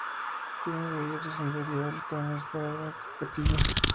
De uno de ellos descendería el cronista Ibn al-Qutiyya.